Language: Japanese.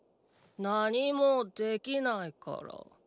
なにもできないから。